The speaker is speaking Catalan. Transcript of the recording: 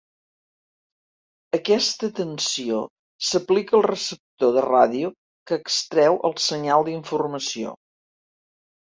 Aquesta tensió s'aplica al receptor de ràdio, que extreu el senyal d'informació.